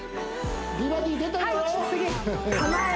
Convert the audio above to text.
「美バディ」出たよ